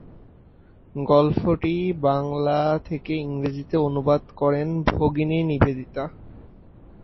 গল্পটি বাংলা থেকে ইংরেজিতে অনুবাদ করেন ভগিনী নিবেদিতা।